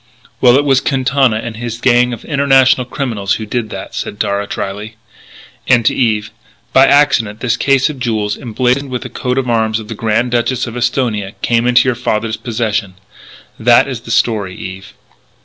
"Well, it was Quintana and his gang of international criminals who did that," said Darragh drily. And, to Eve: "By accident this case of jewels, emblazoned with the coat of arms of the Grand Duchess of Esthonia, came into your father's possession. That is the story, Eve."